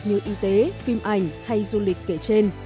như y tế phim ảnh hay du lịch kể trên